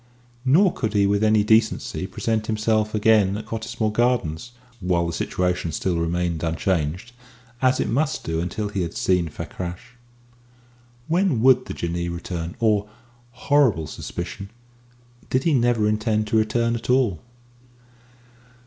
Nor could he with any decency present himself again at Cottesmore Gardens while the situation still remained unchanged, as it must do until he had seen Fakrash. When would the Jinnee return, or horrible suspicion! did he never intend to return at all?